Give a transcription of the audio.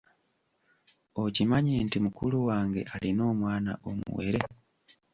Okimanyi nti mukulu wange alina omwana omuwere?